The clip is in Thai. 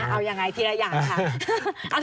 เอายังไงทีละอย่างค่ะ